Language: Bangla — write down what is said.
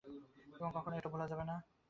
এবং কখনো এটা ভুলা যাবে না।